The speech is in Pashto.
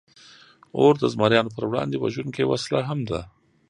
اور د زمریانو پر وړاندې وژونکې وسله هم ده.